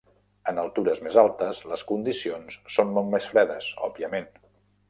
En altures més altes, les condicions són molt més fredes, òbviament.